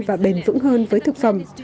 và bền vững hơn với thực phẩm